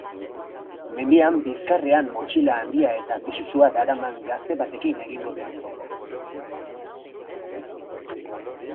Mendian, bizkarrean motxila handia eta pisutsua daraman gazte batekin egingo du topo.